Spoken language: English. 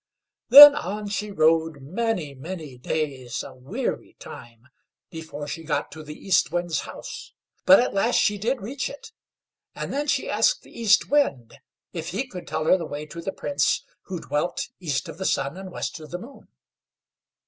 Then on she rode many many days, a weary time, before she got to the East Wind's house, but at last she did reach it, and then she asked the East Wind if he could tell her the way to the Prince who dwelt east of the sun and west of the moon.